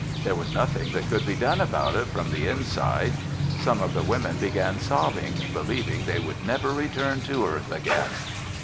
There was nothing that could be done about it from the inside. Some of the women began sobbing, believing they would never return to earth again.